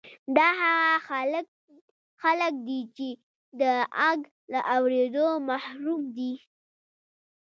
دا هغه خلک دي چې د غږ له اورېدو محروم دي